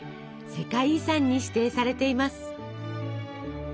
世界遺産に指定されています。